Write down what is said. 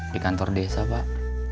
di kantor desa pak